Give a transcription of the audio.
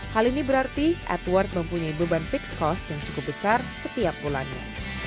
hal ini berarti edward mempunyai beban fixed cost yang cukup besar setiap bulannya